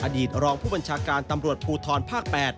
อดีตรองผู้บัญชาการตำรวจภูทรภาค๘